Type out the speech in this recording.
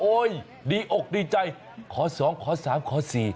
ดีอกดีใจขอ๒ขอ๓ขอ๔